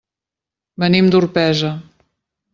Venim d'Orpesa.